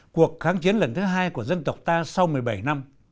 cuộc kháng chiến lần thứ hai của dân tộc ta sau một mươi bảy năm